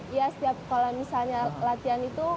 ya setiap kalau misalnya latihan itu